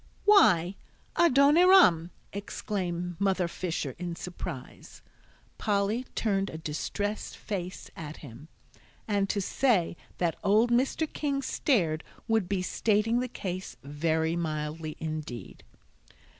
"Why, Adoniram!" exclaimed Mother Fisher, in surprise. Polly turned a distressed face at him; and to say that old Mr. King stared would be stating the case very mildly indeed.